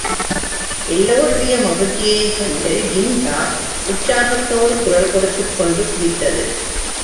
எல்லோருடைய மகிழ்ச்சியையும் கண்டு ஜின்கா உற்சாகத்தோடு குரல் கொடுத்துக்கொண்டு குதித்தது.